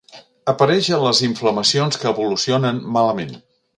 Apareix a les inflamacions que evolucionen malament.